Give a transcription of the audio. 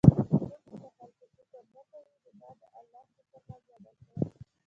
څوک چې د خلکو شکر نه کوي، نو ده د الله شکر هم ونکړو